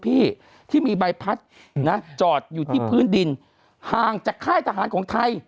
พี่ที่มีใบพัดนะจอดอยู่ที่พื้นดินห่างจากค่ายทหารของไทย